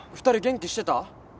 ２人元気してた？